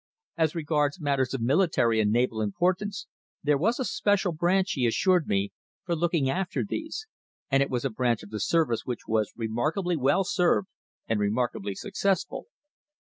As regards matters of military and naval importance, there was a special branch, he assured me, for looking after these, and it was a branch of the Service which was remarkably well served and remarkably successful.